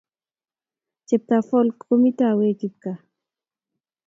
cheetap folk komuto away kipkaa